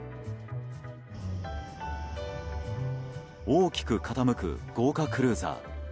大きく傾く豪華クルーザー。